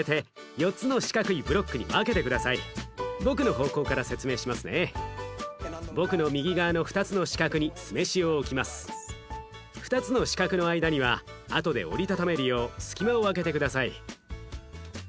２つの四角の間には後で折りたためるよう隙間を空けて下さい。